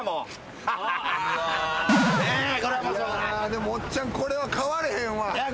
でもおっちゃんこれは買われへんわ。